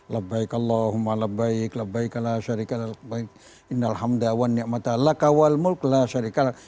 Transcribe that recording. lebaykallahumma lebayk lebaykallah syarikallah indahalhamdawannya matah lakawal mulk lah syarikallah